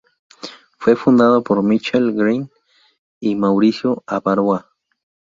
Fue fundada por Michael Greene y Mauricio Abaroa.